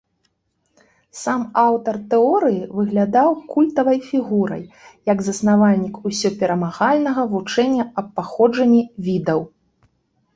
Сам аўтар тэорыі выглядаў культавай фігурай, як заснавальнік ўсёперамагальнага вучэння аб паходжанні відаў.